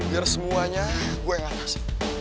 biar semuanya gw yang atas